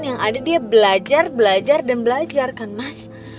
yang ada dia belajar belajar dan belajar kan mas